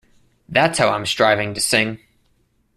That's how I'm striving to sing.